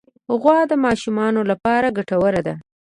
غوا د ماشومانو لپاره ګټوره ده.